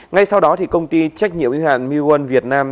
ngay sau đó công ty trách nhiệm hữu hạn mewon việt nam